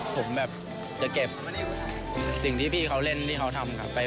ผมแบบจะเก็บสิ่งที่พี่เขาเล่นที่เขาทำครับ